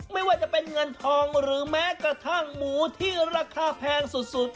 ไม่ว่าจะเป็นเงินทองหรือแม้กระทั่งหมูที่ราคาแพงสุด